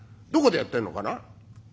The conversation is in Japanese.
どこでやってるのかな？